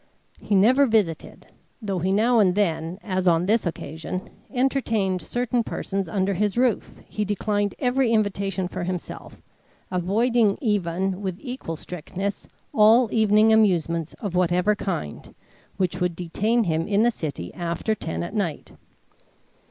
He never visited. Though he now and then, as on this occasion, entertained certain persons under his roof, he declined every invitation for himself, avoiding even, with equal strictness, all evening amusements of whatever kind, which would detain him in the city after ten at night.